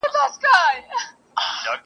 نه به څوک وي چي په موږ پسي ځان خوار کي !.